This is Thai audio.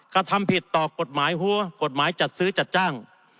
กระทำผิดต่อกฎหมายหัวกฎหมายจัดซื้อจัดจ้าง